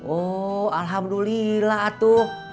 oh alhamdulillah atuh